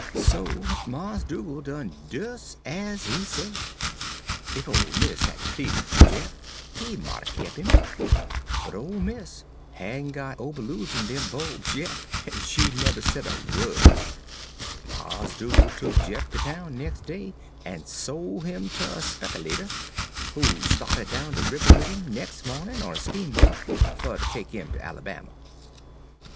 "So Mars' Dugal' done des ez he say. Ef ole mis' had ple'd fer Jeff, he mought 'a' kep' 'im. But ole mis' had n' got ober losin' dem bulbs yit, en she neber said a wo'd. Mars' Dugal' tuk Jeff ter town nex' day en' sol' 'im ter a spekilater, who sta'ted down de ribber wid 'im nex' mawnin' on a steamboat, fer ter take 'im ter Alabama.